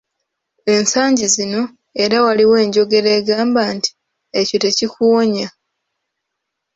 Ensangi zino era waliwo enjogera egamba nti, "ekyo tekikuwonya."